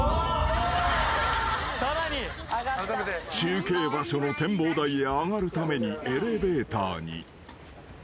［中継場所の展望台へ上がるためにエレベーターに］